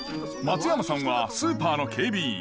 松山さんはスーパーの警備員。